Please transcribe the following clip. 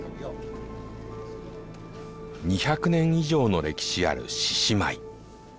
２００年以上の歴史ある獅子舞。